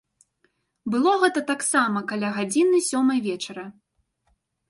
Было гэта таксама каля гадзіны сёмай вечара.